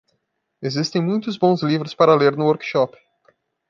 Existem muitos bons livros para ler no workshop.